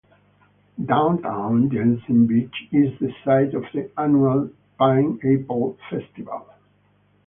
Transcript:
Downtown Jensen Beach is the site of the annual Pineapple Festival.